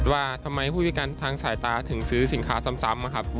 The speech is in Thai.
ว่าทำไมผู้พิการทางสายตาถึงซื้อสินค้าซ้ำนะครับ